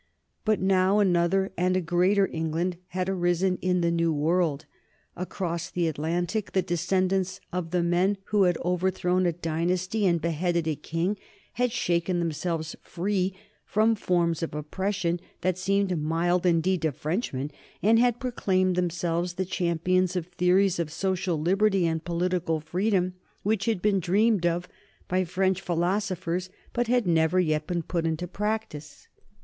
But now another and a greater England had arisen in the New World. Across the Atlantic the descendants of the men who had overthrown a dynasty and beheaded a king had shaken themselves free from forms of oppression that seemed mild indeed to Frenchmen, and had proclaimed themselves the champions of theories of social liberty and political freedom which had been dreamed of by French philosophers but had never yet been put into practice.